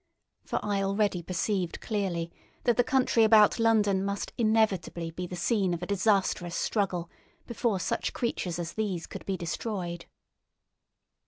For I already perceived clearly that the country about London must inevitably be the scene of a disastrous struggle before such creatures as these could be destroyed.